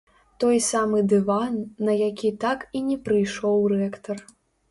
Той самы дыван, на які так і не прыйшоў рэктар.